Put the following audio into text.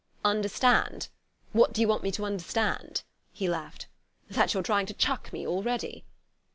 "Understand? What do you want me to understand," He laughed. "That you're trying to chuck me already?"